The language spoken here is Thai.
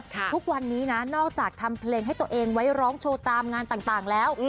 ทุกวันนี้นะนอกจากทำเพลงให้ตัวเองไว้ร้องโชว์ตามงานต่างแล้ว